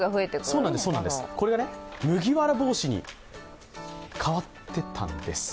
これが麦わら帽子に変わってたんです。